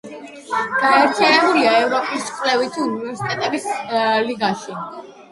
გაერთიანებულია ევროპის კვლევითი უნივერსიტეტების ლიგაში.